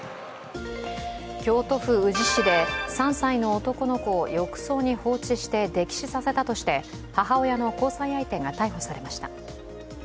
京都府宇治市で、３歳の男の子を浴槽に放置して溺死させたとして母親の交際相手が逮捕されました。